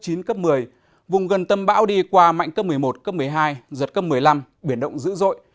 trong đêm nay vùng gần tâm bão đi qua mạnh cấp một mươi một cấp một mươi hai giật cấp một mươi năm biển động dữ dội